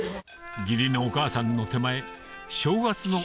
義理のお母さんの手前どうも。